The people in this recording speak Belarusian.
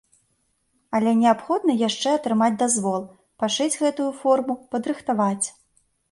Але неабходна яшчэ атрымаць дазвол, пашыць гэтую форму, падрыхтаваць.